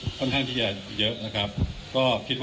คุณผู้ชมไปฟังผู้ว่ารัฐกาลจังหวัดเชียงรายแถลงตอนนี้ค่ะ